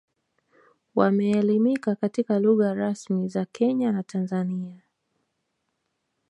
Wameelimika katika lugha rasmi za Kenya na Tanzania